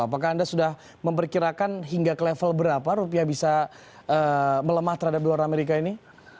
apakah anda sudah memperkirakan hingga ke level berapa rupiah bisa melemah terhadap dolar amerika ini